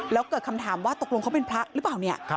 แล้วเกิดคำถามว่าตกลงเขาเป็นพระหรือเปล่าเนี่ย